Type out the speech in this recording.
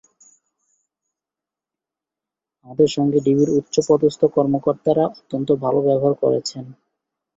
আমাদের সঙ্গে ডিবির উচ্চপদস্থ কর্মকর্তারা অত্যন্ত ভালো ব্যবহার করেছেন।